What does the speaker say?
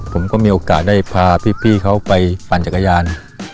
ผมก็มีโอกาสได้พาพี่เขาไปปั่นจักรยาน